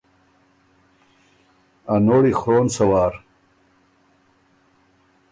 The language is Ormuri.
”ا نوړی خرون سۀ وار“